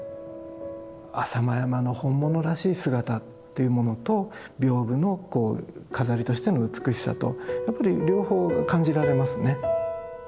浅間山の本物らしい姿っていうものと屏風のこう飾りとしての美しさとやっぱり両方感じられますね。